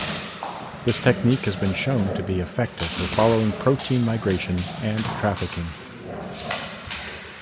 This technique has been shown to be effective for following protein migration and trafficking.